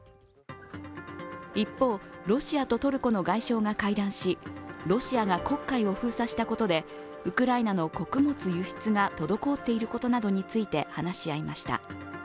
一方、ロシアとトルコの外相が会談し、ロシアが黒海を封鎖したことでウクライナの穀物輸出が滞っていることなどについて話し合いました。